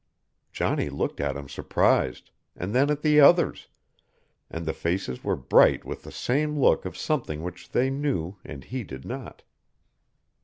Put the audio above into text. Johnny looked at him surprised, and then at the others, and the faces were bright with the same look of something which they knew and he did not.